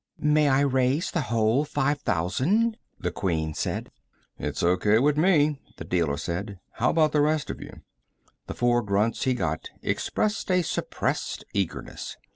"May I raise the whole five thousand?" the Queen said. "It's O.K. with me," the dealer said. "How about the rest of you?" The four grunts he got expressed a suppressed eagerness.